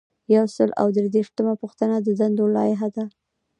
یو سل او درې شپیتمه پوښتنه د دندو لایحه ده.